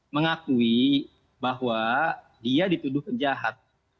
mengakui bahwa dia dituduh penjahat